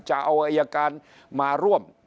จะเอาอายการมาร่วม